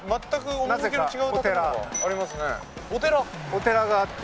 お寺があって。